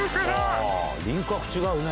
輪郭違うね。